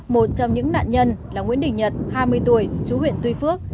một trong những nạn nhân là nguyễn đình nhật hai mươi tuổi chú huyện tuy phước